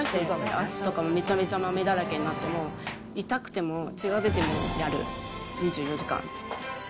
足とかもめちゃめちゃまめだらけになっても、痛くても、血が出てもやる、２４時間。